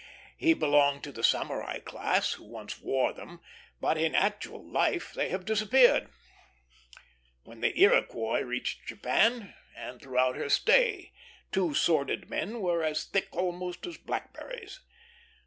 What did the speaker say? He belonged to the samurai class, who once wore them; but in actual life they have disappeared. When the Iroquois reached Japan, and throughout her stay, two sworded men were as thick almost as blackberries.